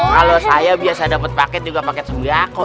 kalau saya biasa dapet paket juga paket sembiako